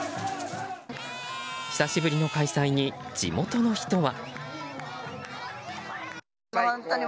久しぶりの開催に、地元の人は。